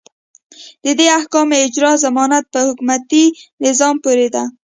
د دې احکامو اجرا ضمانت په حکومتي نظام پورې ده.